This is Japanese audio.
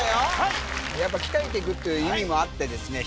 やっぱ鍛えてくっていう意味もあってですね